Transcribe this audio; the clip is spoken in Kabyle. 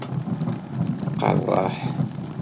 Tqeṛṛeḥ!